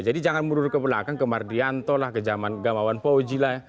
jadi jangan mundur ke belakang ke mardianto lah ke zaman gamawan pauji lah